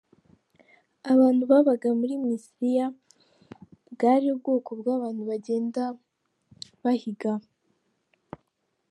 Abantu babaga muri Misliya bwari ubwoko bw’abantu bagenda bahiga.